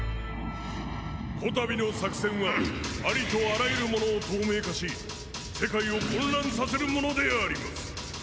こたびの作戦はありとあらゆるものを透明化し世界を混乱させるものであります。